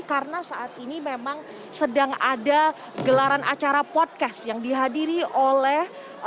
karena saat ini memang sedang ada gelaran acara podcast yang dihadiri oleh